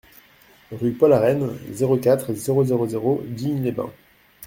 Rue Paul Arène, zéro quatre, zéro zéro zéro Digne-les-Bains